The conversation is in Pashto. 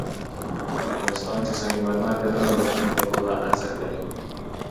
افغانستان کې سنگ مرمر د نن او راتلونکي لپاره ارزښت لري.